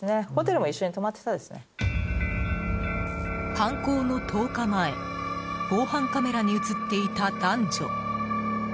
犯行の１０日前防犯カメラに映っていた男女。